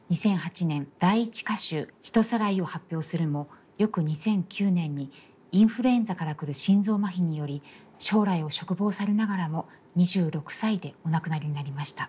２００８年第一歌集「ひとさらい」を発表するも翌２００９年にインフルエンザから来る心臓麻痺により将来を嘱望されながらも２６歳でお亡くなりになりました。